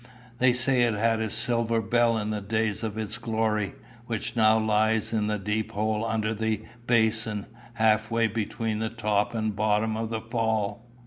They say it had a silver bell in the days of its glory, which now lies in a deep hole under the basin, half way between the top and bottom of the fall.